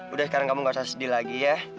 udah sekarang kamu gak usah sedih lagi ya